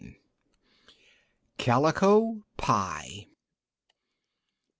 CALICO PIE.